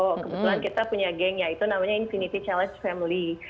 kebetulan kita punya geng yaitu namanya infinity challenge family